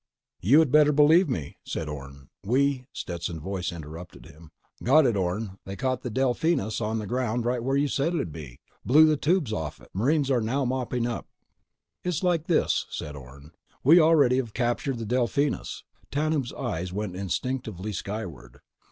"You had better believe me," said Orne. "We—" Stetson's voice interrupted him: "Got it, Orne! They caught the Delphinus on the ground right where you said it'd be! Blew the tubes off it. Marines now mopping up." "It's like this," said Orne. "We already have recaptured the Delphinus." Tanub's eyes went instinctively skyward.